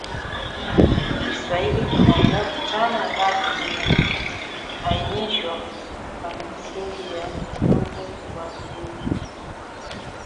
Kiswahili kina irabu tano ambazo zimeainishwa kwa misingi ya mwinuko wa ulimi